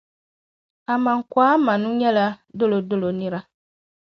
Amankwa-Manu nyɛla Dolodolo nira.